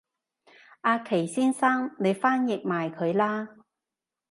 阿祁先生你翻譯埋佢啦